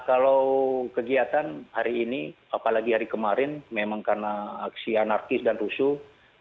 kalau kegiatan hari ini apalagi hari kemarin memang karena aksi anarkis dan rusuh